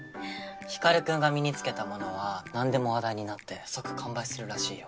光君が身に着けたものは何でも話題になって即完売するらしいよ。